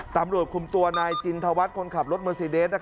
ตำรวจคุมตัวนายจินทวัฒน์คนขับรถเมอร์ซีเดส